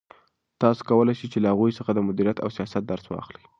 تاسو کولای شئ چې له هغوی څخه د مدیریت او سیاست درس واخلئ.